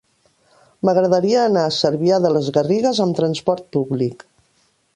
M'agradaria anar a Cervià de les Garrigues amb trasport públic.